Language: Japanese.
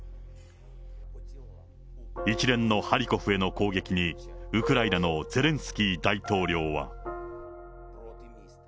一連のハリコフへの攻撃に、ウクライナのゼレンスキー大統領は。